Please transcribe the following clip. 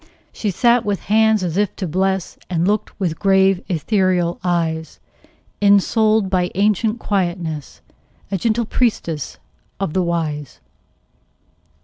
She sat with hands as if to bless, And looked with grave, ethereal eyes; Ensouled by ancient quietness, A gentle priestess of the Wise.